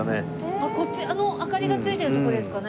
あの明かりがついてるとこですかね？